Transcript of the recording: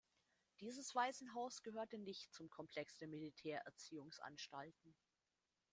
Dieses Waisenhaus gehörte nicht zum Komplex der Militär-Erziehungs-Anstalten.